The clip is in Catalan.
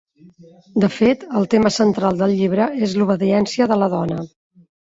De fet, el tema central del llibre és l'obediència de la dona.